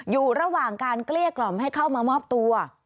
อยู่ระหว่างการเกลี้ยกล่อมให้เข้ามามอบตัว